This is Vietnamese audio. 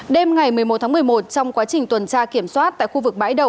đêm ngày một mươi một tháng một mươi một trong quá trình tuần tra kiểm soát tại khu vực bãi đầu